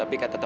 apa ini khan